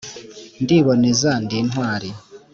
Ndiboneza ndi intwari